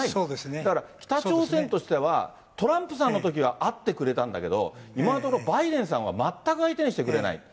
だから北朝鮮としては、トランプさんのときは会ってくれたんだけども、今のところ、バイデンさんは全く相手にしてくれない。